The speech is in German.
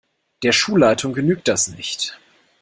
Der Schulleitung genügt das nicht.